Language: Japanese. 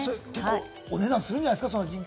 お値段するんじゃないですか？